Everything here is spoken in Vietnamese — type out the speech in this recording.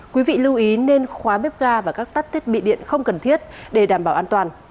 quý vị lưu ý nên khóa bếp ga và các tắt thiết bị điện không cần thiết để đảm bảo an toàn